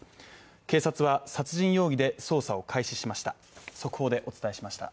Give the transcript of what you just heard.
警察は殺人容疑で捜査を開始しました。